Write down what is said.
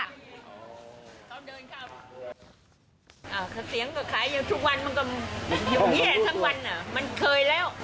เสียงก็ขายทุกวันมันก็อยู่เยี่ยมทั้งวันมันเคยแล้ว